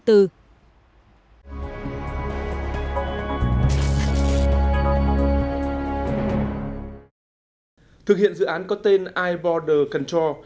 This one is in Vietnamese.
thực hiện dự án có tên eye border control